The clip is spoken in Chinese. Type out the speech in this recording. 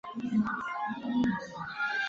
张謇的父亲为张彭年。